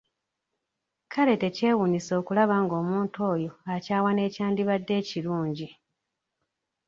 Kale tekyewuunyisa okulaba ng'omuntu oyo akyawa n'ekyandibadde ekirungi!